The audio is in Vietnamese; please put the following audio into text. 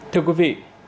thưa quý vị